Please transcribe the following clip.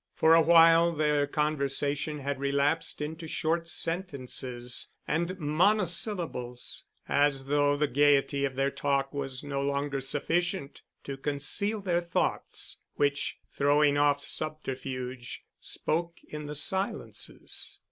For a while their conversation had relapsed into short sentences and monosyllables, as though the gayety of their talk was no longer sufficient to conceal their thoughts, which, throwing off subterfuge, spoke in the silences.